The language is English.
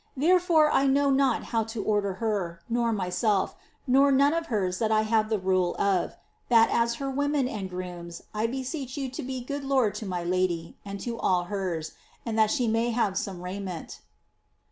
Therefore, I know not how to order her, nor myself, nor none of hers that I have llie rule of — that IS her women and grooms, beseeching you to be good lord to my lady, and to all hers, and that she may have some raiment.'